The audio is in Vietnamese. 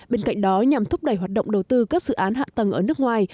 bên cạnh đó nhằm thúc đẩy hoạt động đầu tư các dự án hạ tầng ở nước ngoài